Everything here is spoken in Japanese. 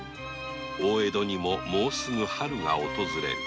大江戸にももうすぐ春が訪れる。